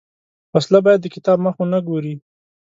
وسله باید د کتاب مخ ونه ګوري